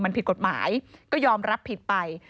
มันผิดกฎหมายก็ยอมรับผิดไป